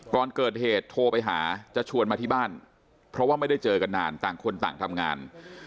ก่อนเกิดเหตุโทรไปหาจะชวนมาที่บ้านเพราะว่าไม่ได้เจอกันนานต่างคนต่างทำงาน